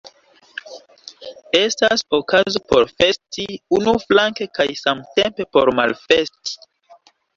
Estas okazo por festi unuflanke kaj samtempe por malfesti.